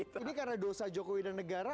ini karena dosa jokowi dan negara